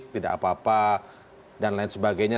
tidak apa apa dan lain sebagainya